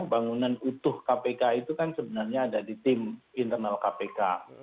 bangunan utuh kpk itu kan sebenarnya ada di tim internal kpk